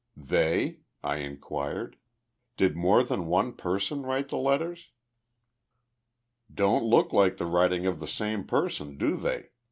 "They?" I inquired. "Did more than one person write the letters?" "Don't look like the writing of the same person, do they?"